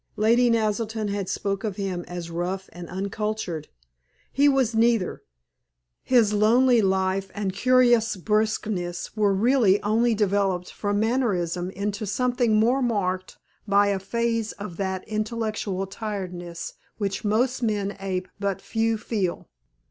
Lady Naselton had spoken of him as rough and uncultured. He was neither. His lonely life and curious brusqueness were really only developed from mannerism into something more marked by a phase of that intellectual tiredness which most men ape but few feel.